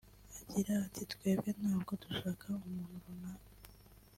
Agira ati “Twebwe ntabwo dushaka umuntu runaka